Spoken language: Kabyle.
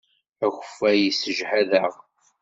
Akeffay yessejhad-aɣ.